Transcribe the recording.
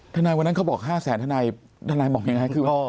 ท่านายวันนั้นเขาบอก๕แสนท่านายบอกอย่างไร